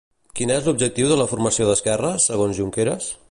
Quin és l'objectiu de la formació d'esquerres, segons Junqueras?